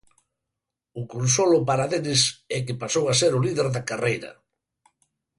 O consolo para Dennis é que pasou a ser o líder da carreira.